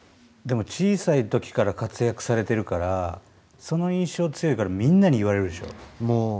でも小さいときから活躍されてるからその印象強いからみんなに言われるでしょう？